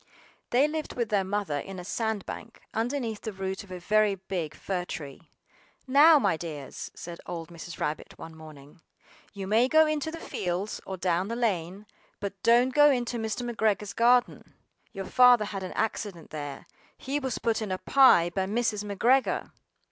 They lived with their Mother in a sand bank, underneath the root of a very big fir tree. "NOW, my dears," said old Mrs. Rabbit one morning, "you may go into the fields or down the lane, but don't go into Mr. McGregor's garden: your Father had an accident there; he was put in a pie by Mrs. McGregor."